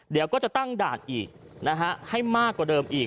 เดี๋ยวก็จะตั้งด่านอีกนะฮะให้มากกว่าเดิมอีก